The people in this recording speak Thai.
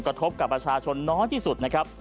กระทบกับประชาชนน้อยที่สุดนะครับ